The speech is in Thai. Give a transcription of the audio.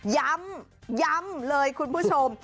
ย้ำย้ำเลยคุณผู้ชม